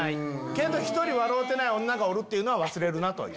けど１人笑うてない女がおるっていうのは忘れるな」とは。